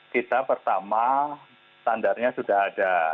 kita pertama standarnya sudah ada